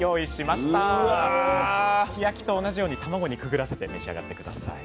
すき焼きと同じように卵にくぐらせて召し上がって下さい。